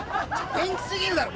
元気すぎるだろ。